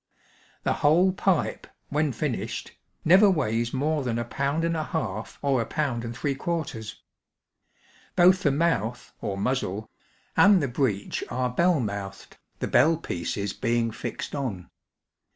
The whole pipe, when finished, never weighs more than a pound and a half or a pound and three 'larters. Both the mouth, or muzzle, and the breech are bell BLOWPIPE WEAPONS. JSSS mouthed, the bell pieces being fixed on.